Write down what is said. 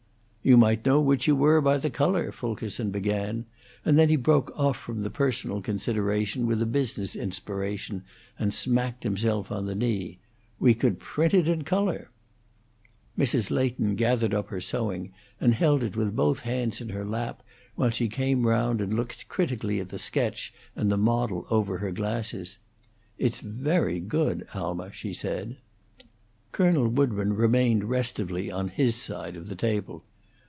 "You might know which you were by the color," Fulkerson began, and then he broke off from the personal consideration with a business inspiration, and smacked himself on the knee, "We could print it in color!" Mrs. Leighton gathered up her sewing and held it with both hands in her lap, while she came round, and looked critically at the sketch and the model over her glasses. "It's very good, Alma," she said. Colonel Woodburn remained restively on his side of the table.